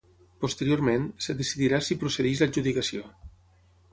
Posteriorment, es decidirà si procedeix l’adjudicació.